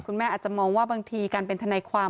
แม่อาจจะมองว่าบางทีการเป็นทนายความ